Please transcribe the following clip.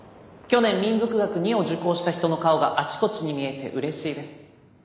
去年民俗学Ⅱを受講した人の顔があちこちに見えてうれしいです。